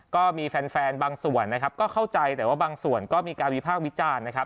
ก็มีแฟนบางส่วนนะครับก็เข้าใจแต่ว่าบางส่วนก็มีการวิพากษ์วิจารณ์นะครับ